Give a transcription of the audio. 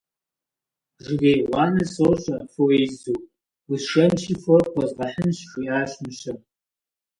Жыгей гъуанэ сощӏэ, фо изу, усшэнщи, фор къозгъэхынщ, - жиӏащ мыщэм.